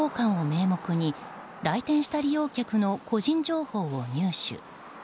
オイル交換を名目に来店した利用客の個人情報を入手。